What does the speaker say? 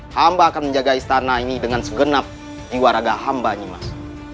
hamba akan menjaga istana ini dengan segenap di waraga hambanya mas